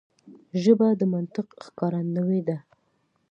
ژبه د منطق ښکارندوی ده